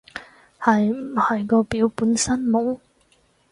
係唔係個表本身冇